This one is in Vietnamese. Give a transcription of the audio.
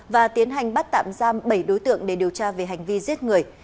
và tiến hành bắt tạm giam bảy đối tượng để điều tra về hành vi giết người